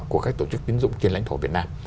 của các tổ chức tín dụng trên lãnh thổ việt nam